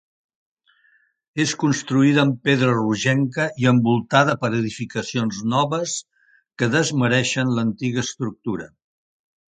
És construïda amb pedra rogenca, i envoltada per edificacions noves que desmereixen l'antiga estructura.